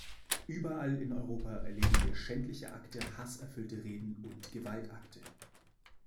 Überall in Europa erleben wir schändliche Akte, hasserfüllte Reden und Gewaltakte.